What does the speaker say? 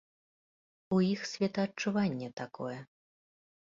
У іх светаадчуванне такое.